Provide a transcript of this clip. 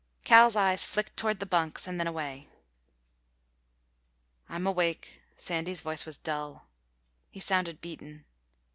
Cal's eyes flicked toward the bunks and then away. "I'm awake." Sandy's voice was dull. He sounded beaten.